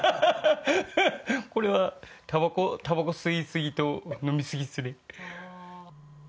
これはたばこたばこ吸いすぎと飲みすぎですね。